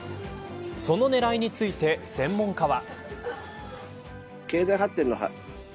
その狙いについて専門家は。